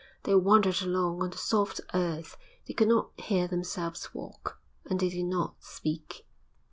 They wandered along on the soft earth, they could not hear themselves walk and they did not speak.